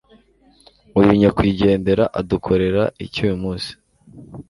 uyu nyakwigendera adukorera iki uyu munsi